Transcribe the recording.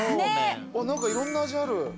何かいろんな味ある。